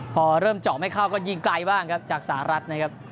พอเริ่มเจาะไม่เข้าก็ยิงไกลบ้างครับจากสหรัฐนะครับ